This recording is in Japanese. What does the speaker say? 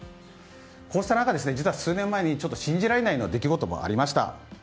こうした中、数年前に信じられないような出来事もありました。